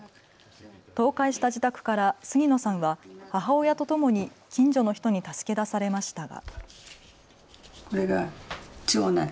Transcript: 倒壊した自宅から杉野さんは母親とともに近所の人に助け出されましたが。